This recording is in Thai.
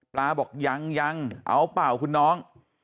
บอกยังยังเอาเปล่าคุณน้อง